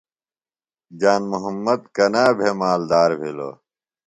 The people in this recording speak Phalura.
جان محمد کنا بھےۡ مالدار بِھلوۡ؟